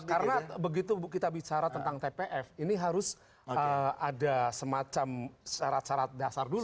karena begitu kita bicara tentang tpf ini harus ada semacam syarat syarat dasar dulu